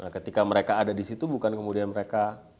ketika mereka ada disitu bukan kemudian mereka